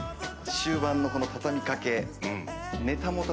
終盤の畳みかけ。